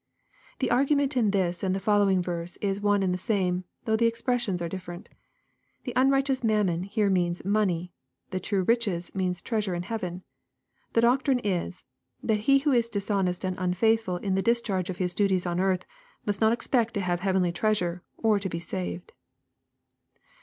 ] The argument in this and the following verse is one and the same, though the expressions are different. The " unrighteous mammon" here means " money." The "true riches" mean treasure in heaven. The doctrine is, that he who is dishonest and unfaithful in the discharge of hia duties on earth, must not expect to have heavenly treasure, or to be saved.